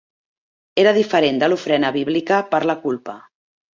Era diferent de l'ofrena bíblica per la culpa.